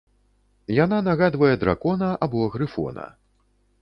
Яна нагадвае дракона або грыфона.